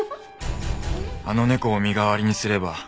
あの猫を身代わりにすれば。